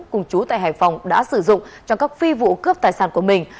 cùng chú tại hải phòng đã sử dụng cho các phi vụ cướp tài sản của mình